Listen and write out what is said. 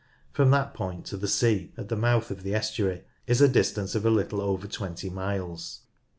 From that point to the sea at the mouth of the estuary is a distance of a little over 20 miles.